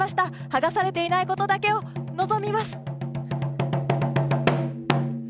剥がされていないことだけを望みます。